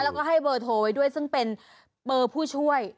แล้วก็ให้เบอร์โทรไว้ด้วยซึ่งเป็นเบอร์ผู้ช่วย